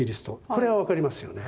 これは分かりますよね。